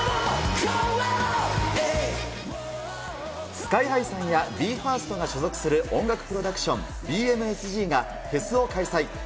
ＳＫＹーＨＩさんやＢＥ：ＦＩＲＳＴが所属する音楽プロダクション、ＢＭＳＧがフェスを開催。